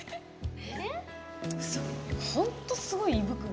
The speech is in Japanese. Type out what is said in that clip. ホントすごい胃袋。